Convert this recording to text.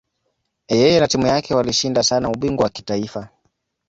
Yeye na timu yake walishinda sana ubingwa wa kitaifa.